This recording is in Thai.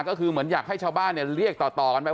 ก็คือเหมือนอยากให้ชาวบ้านเรียกต่อกันไป